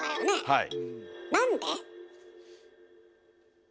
はい。